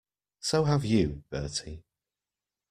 So have you, Bertie.